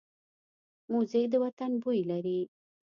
موزیک د وطن بوی لري.